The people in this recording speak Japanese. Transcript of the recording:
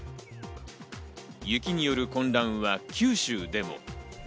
雪による混乱は九州でも。